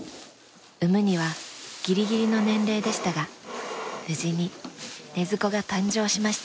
産むにはギリギリの年齢でしたが無事にねずこが誕生しました。